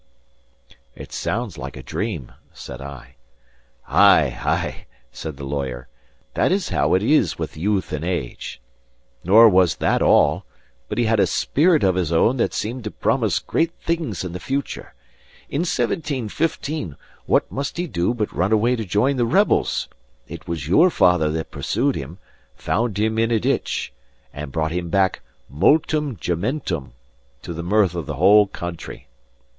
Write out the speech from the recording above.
"It sounds like a dream," said I. "Ay, ay," said the lawyer, "that is how it is with youth and age. Nor was that all, but he had a spirit of his own that seemed to promise great things in the future. In 1715, what must he do but run away to join the rebels? It was your father that pursued him, found him in a ditch, and brought him back multum gementem; to the mirth of the whole country.